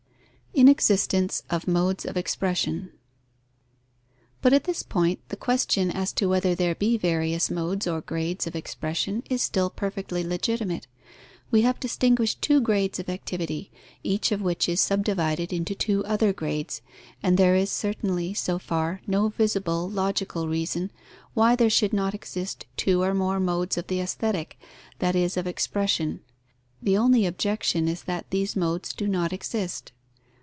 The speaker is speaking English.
Inexistence of modes of expression. But at this point, the question as to whether there be various modes or grades of expression is still perfectly legitimate. We have distinguished two grades of activity, each of which is subdivided into two other grades, and there is certainly, so far, no visible logical reason why there should not exist two or more modes of the aesthetic, that is of expression. The only objection is that these modes do not exist.